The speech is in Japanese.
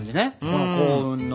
この幸運の。